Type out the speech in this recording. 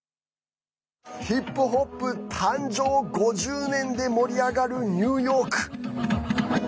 ヒップホップ誕生５０年で盛り上がるニューヨーク。